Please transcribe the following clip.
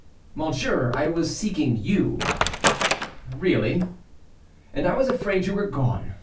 "Monsieur, I was seeking you." "Really." "And I was afraid you were gone.